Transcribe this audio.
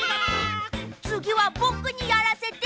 つぎはぼくにやらせて。